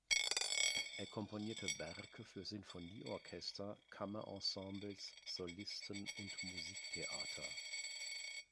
Er komponierte Werke für Sinfonieorchester, Kammerensembles, Solisten und Musiktheater.